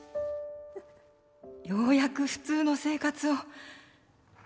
「ようやく普通の生活を」